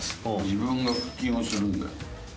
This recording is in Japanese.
自分が腹筋をするんだよね。